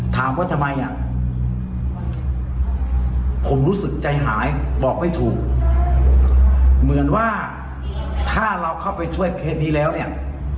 ถ้าเราเข้าไปช่วยเคสนี้แล้วเนี่ย